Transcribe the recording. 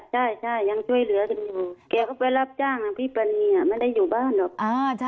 ใช่ยังช่วยเหลือกันอยู่แกก็ไปรับจ้างพี่ปณีไม่ได้อยู่บ้านหรอก